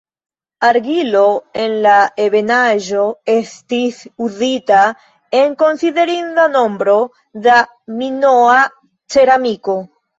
Argilo de la ebenaĵo estis uzita en konsiderinda nombro da minoa ceramiko.